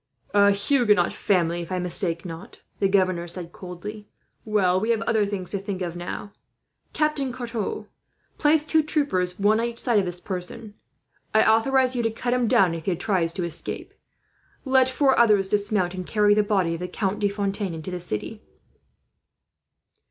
"A Huguenot family, if I mistake not," the governor said, coldly. "Well, we have other things to think of, now. "Captain Carton, place two troopers one on each side of this person. I authorize you to cut him down, if he tries to escape. Let four others dismount, and carry the body of the Count de Fontaine into the city.